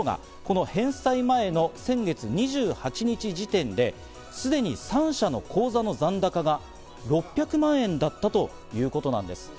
ところが、この返済前の先月２８日時点ですでに３社の口座の残高が６００万円だったということなんです。